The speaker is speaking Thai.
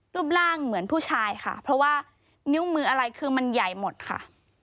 รูปร่างเหมือนผู้ชายค่ะเพราะว่านิ้วมืออะไรคือมันใหญ่หมดค่ะ